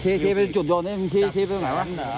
ชีพไปจุดโยนชีพตรงไหนวะ